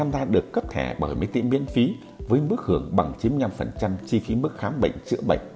ta được cấp thẻ bảo hiểm y tế miễn phí với mức hưởng bằng chín mươi năm chi phí mức khám bệnh chữa bệnh